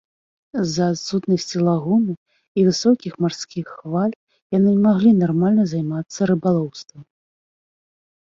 З-за адсутнасці лагуны і высокіх марскіх хваль яны не маглі нармальна займацца рыбалоўствам.